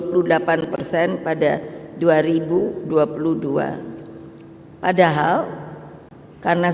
padahal karena saya juga berpikir saya tidak bisa mengerti